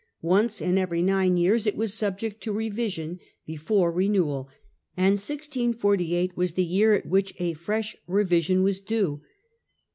Once in every nine years it was subject to revision before renewal, and 1648 was the year at which a fresh revision was due.